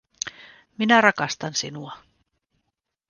Minä rakastan sinua